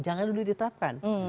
jangan dulu ditetapkan